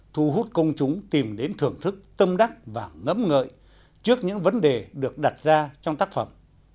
thu hút công chúng tìm đến thưởng thức tâm đắc và ngẫm ngợi trước những vấn đề được đặt ra trong tác phẩm